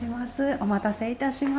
お待たせいたしました。